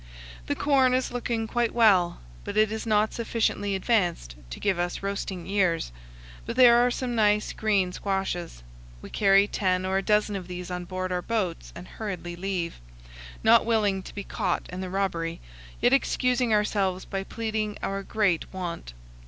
The corn is looking quite TO THE FOOT OF THE GRAND CANYON. 275 well, but it is not sufficiently advanced to give us roasting ears; but there are some nice green squashes. We carry ten or a dozen of these on board our boats and hurriedly leave, not willing to be caught in the robbery, yet excusing ourselves by pleading our great want.